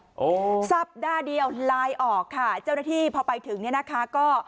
โอ้โหสัปดาห์เดียวลายออกค่ะเจ้าหน้าที่พอไปถึงเนี้ยนะคะก็